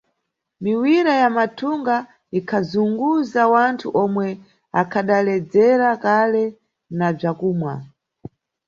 Miwira ya mathunga ikhazunguza wanthu omwe akhadaledzera kale na bzakumwa.